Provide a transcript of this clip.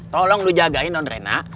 tolong lu jagain nonrena